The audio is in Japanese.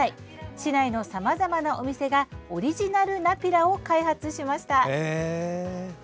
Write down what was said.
市内のさまざまなお店がオリジナルナピラを開発しました。